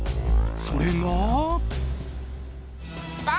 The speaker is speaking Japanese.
それが。